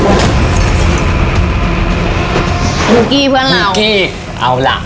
ุ๊กกี้เพื่อนเรากี้เอาล่ะ